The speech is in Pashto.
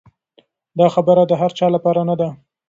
دا خبره د هر چا لپاره نه ده.